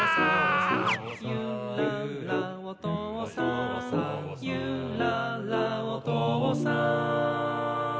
「ゆららおとうさん」「ゆららおとうさん」